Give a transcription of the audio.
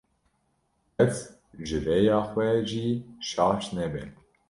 qet ji rêya xwe jî şaş nebe.